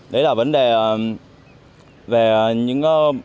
đấy là vấn đề về những bảo đảm